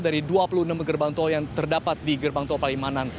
dari dua puluh enam gerbang tol yang terdapat di gerbang tol palimanan